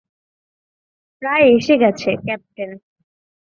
প্রায় এসে গেছে, ক্যাপ্টেন।